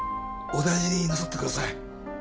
お大事になさってください。